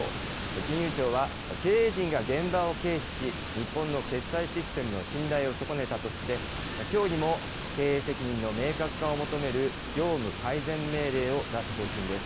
金融庁は、経営陣が現場を軽視し、日本の決済システムの信頼を損ねたとして、きょうにも経営責任の明確化を求める業務改善命令を出す方針です。